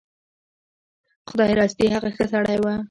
خدای راستي هغه ښه سړی و.